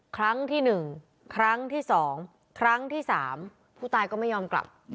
ครั้งที่๑ครั้งที่๒ครั้งที่๓ผู้ตายก็ไม่ยอมกลับ